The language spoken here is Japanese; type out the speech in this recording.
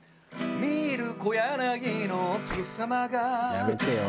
「やめてよ」